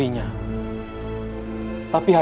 yang ada di program